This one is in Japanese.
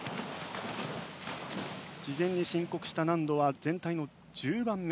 事前に申告した難度は全体の１０番目。